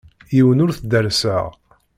Yiwen ur t-derrseɣ.